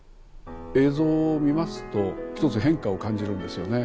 映像を見ますと一つ変化を感じるんですよね。